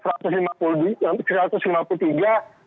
dan berhasil naik ke peringkat satu ratus lima puluh tiga